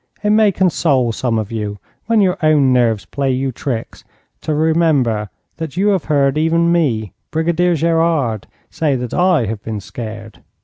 It may console some of you, when your own nerves play you tricks, to remember that you have heard even me, Brigadier Gerard, say that I have been scared.